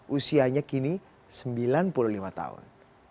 usianya kini sembilan puluh lima tahun